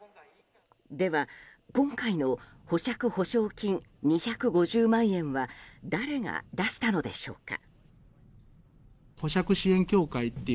では、今回の保釈保証金２５０万円は誰が出したのでしょうか。